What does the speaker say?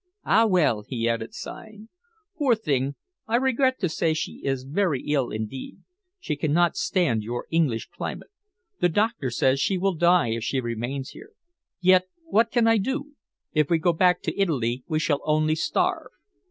Ah, well!" he added, sighing. "Poor thing! I regret to say she is very ill indeed. She cannot stand your English climate. The doctor says she will die if she remains here. Yet what can I do? If we go back to Italy we shall only starve."